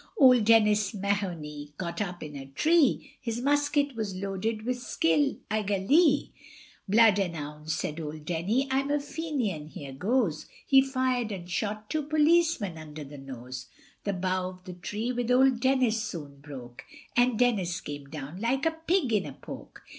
Old Dennis Mahoney got up in a tree, His musket was loaded with skillagalee, Blood an ouns, said old Denny, I'm a Fenian, here goes, He fired, and shot two policemen under the nose; The bough of the tree with old Dennis soon broke, And Dennis came down like a pig in a poke.